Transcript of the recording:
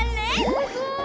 すごい。